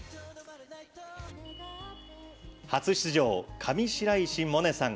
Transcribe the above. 初出場、上白石萌音さん。